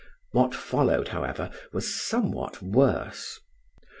What followed, however, was somewhat worse.